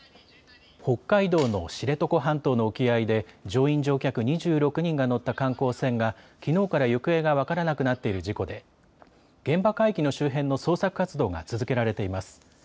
北海道の知床半島の沖合で乗員・乗客２６人が乗った観光船がきのうから行方が分からなくなっている事故で現場海域の周辺の捜索活動が続けられています。